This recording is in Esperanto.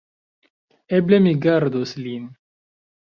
Eble mi gardos lin.